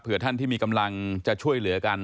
เพื่อท่านที่มีกำลังจะช่วยเหลือกัน